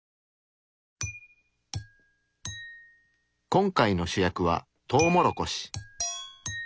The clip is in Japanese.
今回の主役はトウモロコシ。